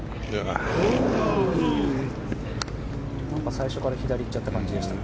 最初から左にいっちゃった感じでした。